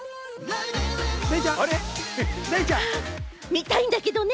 見たいんだけどね。